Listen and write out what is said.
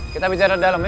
kita bicara dalam ya